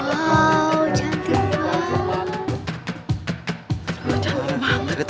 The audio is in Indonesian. wow cantik banget